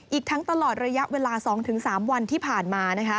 อีกทั้งตลอดระยะเวลา๒๓วันที่ผ่านมานะคะ